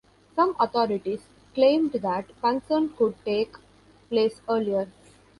Some authorities claimed that consent could take place earlier.